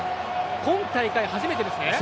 今大会初めてですね